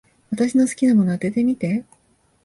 私の好きなもの、当ててみて。